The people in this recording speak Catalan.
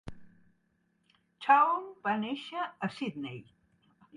Chowne va néixer a Sydney.